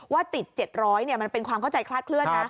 ว่าติด๗๐๐มันเป็นความเข้าใจคลาดเคลื่อนนะ